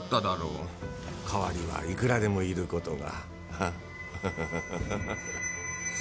代わりはいくらでもいる事が。